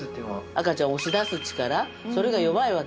赤ちゃん押し出す力それが弱いわけよ。